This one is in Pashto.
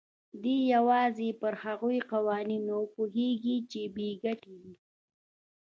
دی يوازې پر هغو قوانينو پوهېږي چې بې ګټې دي.